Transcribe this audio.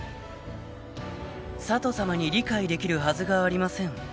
［佐都さまに理解できるはずがありません］